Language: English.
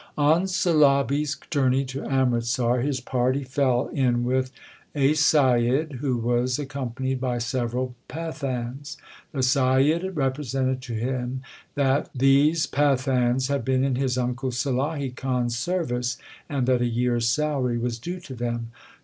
1 On Sulabi s journey to Amritsar his party fell in with a Saiyid who was accompanied by several Pathans. The Saiyid represented to him that these Pathans had been in his uncle Sulahi Khan s service, and that a year s salary was due to them.